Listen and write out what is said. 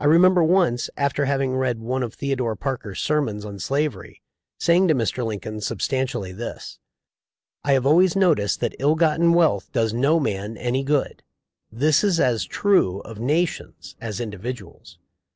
I remember once, after having read one 364 THE L1FE 0F LINCOLN. of Theodore Parker's sermons on slavery, saying to Mr. Lincoln substantially this : "I have always noticed that ill gotten wealth does no man any good. This is as true of nations as individuals.